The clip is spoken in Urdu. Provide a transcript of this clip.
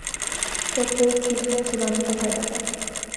تو پھر چیخنے چلانے کا فائدہ کیا؟